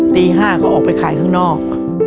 ตี๕ก็ออกไปขายข้างนอก